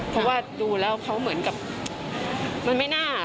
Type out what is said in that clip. เพราะว่าดูแล้วเขาเหมือนกับมันไม่น่า